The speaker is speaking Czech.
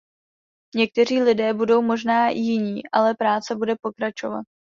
Někteří lidé budou možná jiní, ale práce bude pokračovat.